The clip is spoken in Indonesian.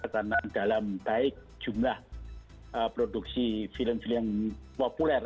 karena dalam baik jumlah produksi film film populer